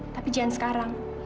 tapi jangan sekarang